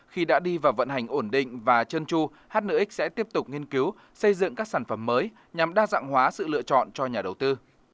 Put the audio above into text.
khi đã đi vào vận hành ổn định và chân chu hnx sẽ tiếp tục nghiên cứu xây dựng các sản phẩm mới nhằm đa dạng hóa sự lựa chọn cho nhà đầu tư